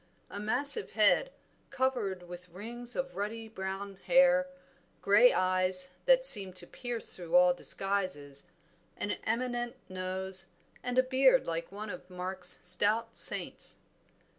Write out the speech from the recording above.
A massive head, covered with rings of ruddy brown hair, gray eyes, that seemed to pierce through all disguises, an eminent nose, and a beard like one of Mark's stout saints.